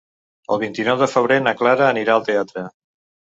El vint-i-nou de febrer na Clara anirà al teatre.